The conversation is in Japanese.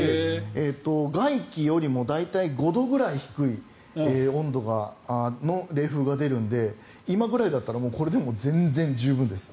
外気よりも大体５度ぐらい低い温度の冷風が出るので今ぐらいだったらこれでも全然十分です。